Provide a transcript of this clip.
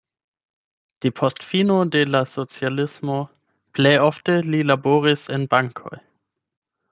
Depost fino de la socialismo plej ofte li laboris en bankoj.